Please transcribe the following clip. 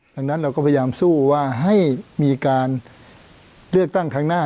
ดังนั้นเราก็พยายามสู้ว่าให้มีการเลือกตั้งครั้งหน้า